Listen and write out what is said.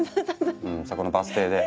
そこのバス停で。